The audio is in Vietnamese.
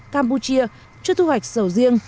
campuchia chưa thu hoạch sầu riêng